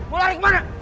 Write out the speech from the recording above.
mau lari kemana